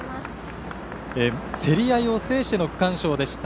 競り合いを制しての区間賞でした。